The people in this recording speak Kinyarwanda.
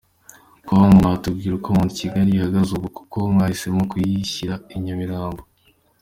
com : Mwatubwira uko Mount Kigali Hotel ihagaze ubu ? kuki mwahisemo kuyishyira i Nyamirambo ?.